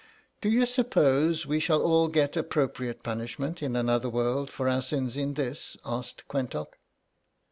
"Do you suppose we shall all get appropriate punishments in another world for our sins in this?" asked Quentock.